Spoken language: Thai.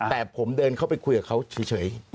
แต่ผมเดินเข้าไปคุยกับเขาเฉย